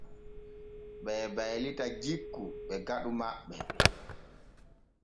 Ɓe baylita jikku e faɗu maɓɓe.